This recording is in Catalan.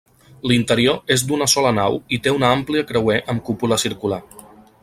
L'interior és d'una sola nau i té un amplia creuer amb cúpula circular.